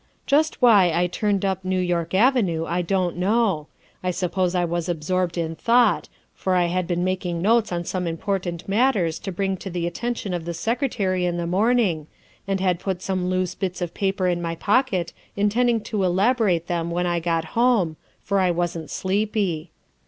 "Just why I turned up New York Avenue I don't THE SECRETARY OF STATE 345 know. I suppose I was absorbed in thought, for I had been making notes on some important matters to bring to the attention of the Secretary in the morning and had put some loose bits of paper in my pocket, intending to elaborate them when I got home, for I wasn't sleepy.